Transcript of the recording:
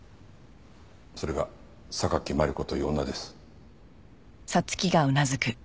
それが榊マリコという女です。